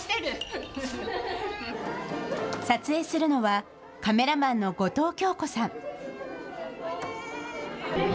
撮影するのはカメラマンの後藤京子さん。